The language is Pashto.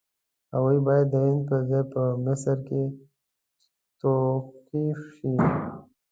هغوی باید د هند پر ځای په مصر کې توقیف شي.